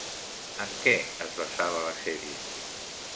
En què es basava la sèrie?